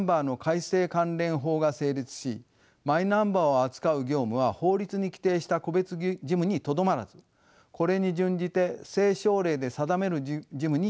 関連法が成立しマイナンバーを扱う業務は法律に規定した個別事務にとどまらずこれに準じて政省令で定める事務に広げました。